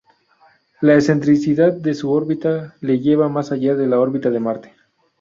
La excentricidad de su órbita le lleva más allá de la órbita de Marte.